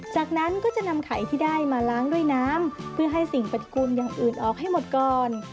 จากนั้นก็จะนำไข่ที่ได้มาล้างด้วยน้ำเพื่อให้สิ่งปฏิกูลอย่างอื่นออกให้หมดก่อน